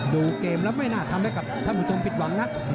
ดูเกมแล้วไม่น่าทำให้กับท่านผู้ชมผิดหวังนะ